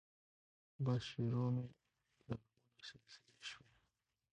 بس شروع مې د غمونو سلسلې شوې